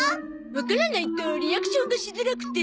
わからないとリアクションがしづらくて。